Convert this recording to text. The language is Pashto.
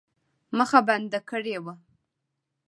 مخه بنده کړې وه.